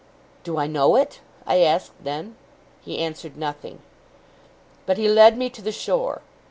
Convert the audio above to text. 'Do I know it?' I asked then. He answered nothing. But he led me to the shore.